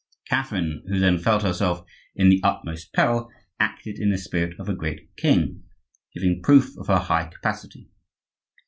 Catherine, who then felt herself in the utmost peril, acted in the spirit of a great king, giving proof of her high capacity.